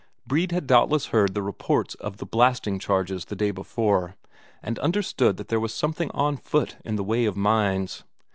Brede had doubtless heard the reports of the blasting charges the day before, and understood that there was something on foot in the way of mines.